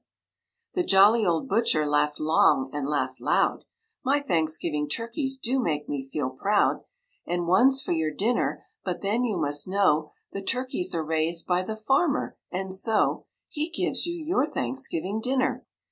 The jolly old butcher laughed long and laughed loud, "My Thanksgiving turkeys do make me feel proud, And one's for your dinner; but then you must know The turkeys are raised by the farmer, and so He gives you your Thanksgiving Dinner."